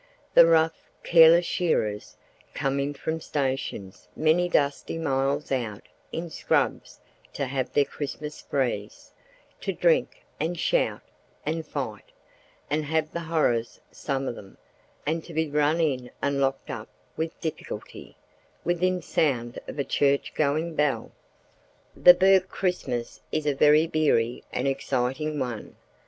The rough, careless shearers come in from stations many dusty miles out in the scrubs to have their Christmas sprees, to drink and "shout" and fight—and have the horrors some of them—and be run in and locked up with difficulty, within sound of a church going bell. The Bourke Christmas is a very beery and exciting one.